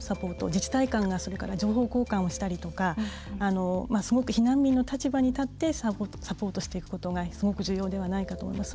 自治体間がそれから情報交換したりとかすごく避難民の立場に立ってサポートしていくことがすごく重要ではないかと思います。